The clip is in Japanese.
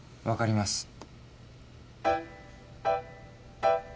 わかります。